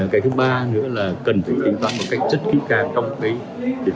cái thứ ba nữa là cần phải tính toán một cách chất kỹ trang trong cái